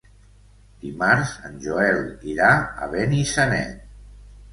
Dimarts en Joel irà a Benissanet.